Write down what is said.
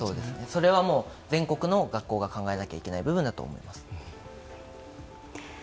それは全国の学校が考えなきゃいけない部分だと思います。